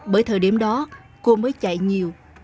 bởi thời điểm đó cua mới chạy nhiều